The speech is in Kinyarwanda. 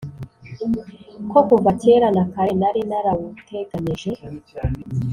ko kuva kera na kare nari narawuteganyije,